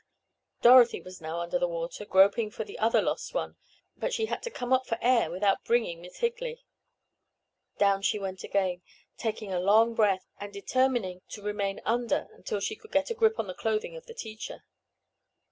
Dorothy was now under water, groping for the other lost one. But she had to come up for air without bringing Miss Higley. Down she went again, taking a long breath and determining to remain under until she could get a grip on the clothing of the teacher.